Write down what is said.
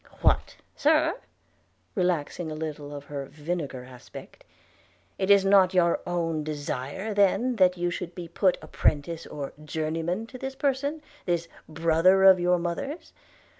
'What, Sir! (relaxing a little of her vinegar aspect) is it not your own desire then that you should be put apprentice or journeyman to this person, this brother of your mother's?